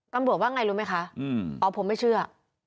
ตำรวจว่าไงรู้ไหมคะอ๋อผมไม่เชื่อ